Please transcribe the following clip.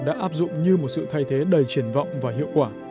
đã áp dụng như một sự thay thế đầy triển vọng và hiệu quả